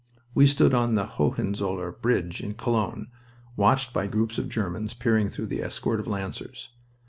We stood on the Hohenzollern Bridge in Cologne, watched by groups of Germans peering through the escort of Lancers.